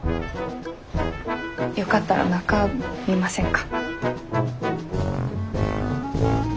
よかったら中見ませんか？